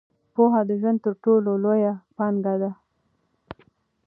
پوهه د ژوند تر ټولو لویه پانګه ده.